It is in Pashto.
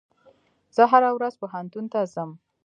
زه هره ورځ پوهنتون ته ځم.